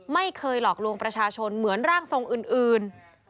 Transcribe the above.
ไม่เคยหลอกลวงประชาชนเหมือนร่างทรงอื่น